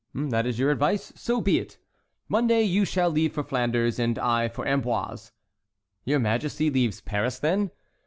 "That is your advice—so be it; Monday you shall leave for Flanders, and I for Amboise." "Your Majesty leaves Paris, then?"